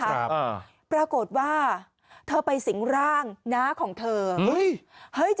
ครับอ่าปรากฏว่าเธอไปสิงร่างน้าของเธออุ้ยเฮ้ยจะ